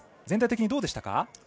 全体的にどうでしたか。